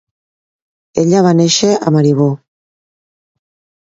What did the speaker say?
Ella va néixer a Maribor.